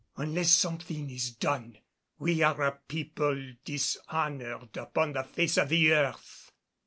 "Unless something is done we are a people dishonored upon the face of the earth."